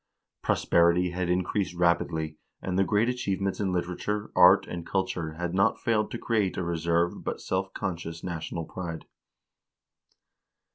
Prosperity had increased rapidly, and the great achievements in literature, art, and culture had not failed to create a reserved but self conscious national pride.